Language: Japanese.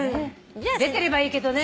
出てればいいけどね。